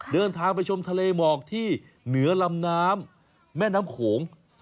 เดินทางไปชมทะเลหมอกที่เหนือลำน้ำแม่น้ำโขง